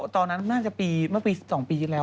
ตอนนั้นน่าจะปีเมื่อปี๒ปีที่แล้ว